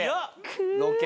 ロケ。